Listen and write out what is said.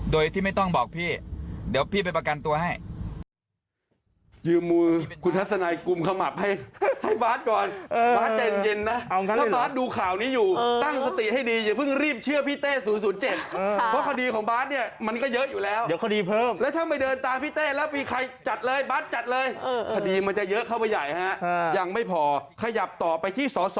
โดยที่ไม่ต้องบอกพี่เดี๋ยวพี่ไปประกันตัวให้